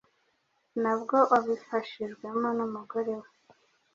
nabwo abifashijwemo n’umugore we